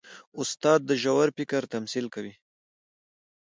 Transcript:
استاد د ژور فکر تمثیل دی.